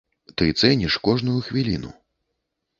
Ты цэніш кожную хвіліну.